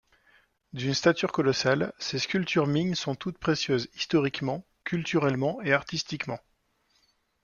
D’une stature colossale, ces sculptures Ming sont toutes précieuses historiquement, culturellement et artistiquement.